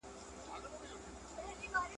د زرو قدر زرگر لري.